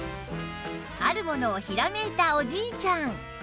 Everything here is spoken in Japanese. あるものをひらめいたおじいちゃん